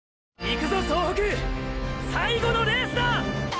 いくぞ総北最後のレースだ！